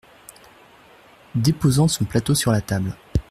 Déposant son plateau sur la table.